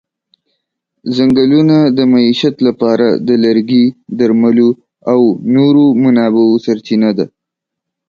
ځنګلونه د معیشت لپاره د لرګي، درملو او نورو منابعو سرچینه ده.